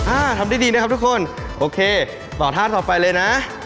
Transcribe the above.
อ่าทำได้ดีนะครับทุกคนโอเคต่อท่าต่อไปเลยนะ